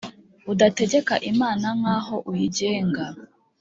udategeka imana nkaho uyigenga